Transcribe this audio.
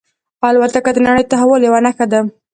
الوتکه د نړۍ د تحول یوه نښه ده.